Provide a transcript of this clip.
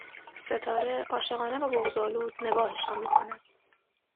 ستاره عاشقانه و بغضآلود نگاهشان میکند